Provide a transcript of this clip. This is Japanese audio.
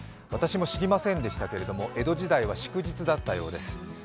私も知りませんでしたけれども江戸時代は祝日だったようです。